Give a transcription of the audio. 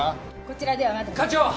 ・こちらではまだ課長！